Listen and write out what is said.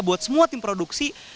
buat semua tim produksi